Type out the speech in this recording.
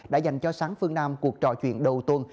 đã dành cho sáng phương nam cuộc trò chuyện đầu tuần